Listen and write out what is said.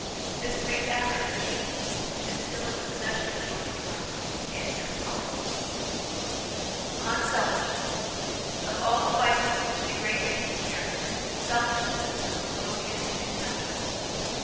This great effort of genius, which is still in the possession of Georgy's mother, is as follows :"' On Selfishness. Of all the vices which degrade tr. 2 human character, Selfishness is the most odious and contemptible.